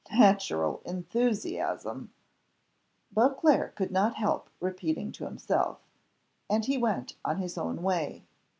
"Natural enthusiasm!" Beauclerc could not help repeating to himself, and he went on his own way.